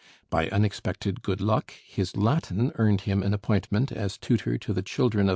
By unexpected good luck, his Latin earned him an appointment as tutor to the children of M.